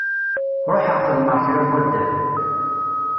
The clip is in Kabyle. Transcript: Ruḥeɣ xedmeɣ kra n waddal.